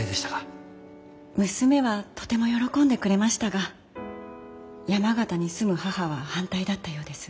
娘はとても喜んでくれましたが山形に住む母は反対だったようです。